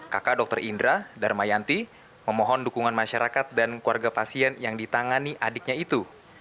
kakak dr indra darmayanti memohon dukungan masyarakat dan keluarga pasien yang ditangani adiknya itu